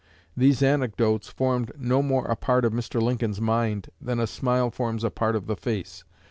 These anecdotes formed no more a part of Mr. Lincoln's mind than a smile forms a part of the face.